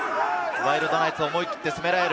ワイルドナイツ、思い切って攻められる。